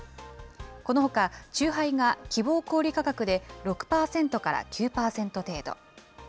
このほか、酎ハイが希望小売り価格で６％から９％程度。